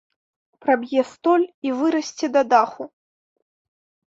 Праб'е столь і вырасце да даху.